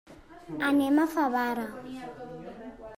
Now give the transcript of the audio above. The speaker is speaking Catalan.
Anem a Favara.